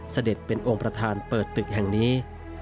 เสด็จเป็นองค์ประธานเปิดตึกแห่งนี้